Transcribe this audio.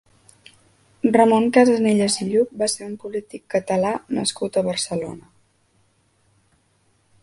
Ramon Casanellas i Lluch va ser un polític catlà nascut a Barcelona.